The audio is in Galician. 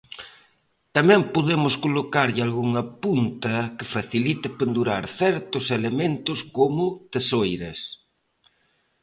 Tamén podemos colocarlle algunha punta que facilite pendurar certos elementos como tesoiras.